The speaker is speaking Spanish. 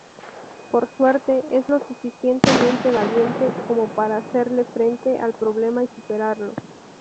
Por suerte, es lo suficientemente valiente como para hacerle frente al problema y superarlo.